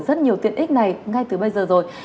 rất nhiều tiện ích này ngay từ bây giờ rồi